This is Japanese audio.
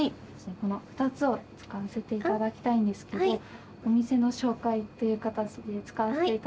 この２つを使わせていただきたいんですけどお店の紹介という形で使わせていただいても。